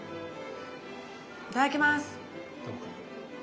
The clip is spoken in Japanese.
いただきます！